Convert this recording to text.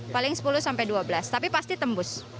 paling sepuluh sampai dua belas tapi pasti tembus